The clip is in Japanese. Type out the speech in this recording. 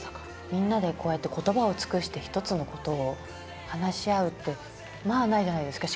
みんなでこうやって言葉を尽くして一つのことを話し合うってまあないじゃないですか。